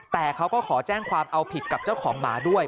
แต่เขาก็ขอแจ้งความเอาผิดกับเจ้าของหมาด้วย